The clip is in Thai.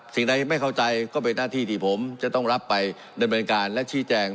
สิ่งใดไม่เข้าใจก็เป็นหน้าที่ที่ผมจะต้องรับไปดำเนินการและชี้แจง